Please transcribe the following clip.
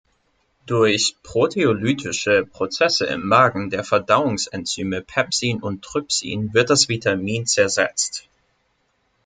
Durch proteolytische Prozesse im Magen der Verdauungsenzyme Pepsin und Trypsin wird das Vitamin zersetzt.